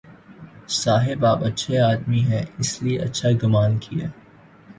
صاحب آپ اچھے آدمی ہیں، اس لیے اچھا گمان کیا۔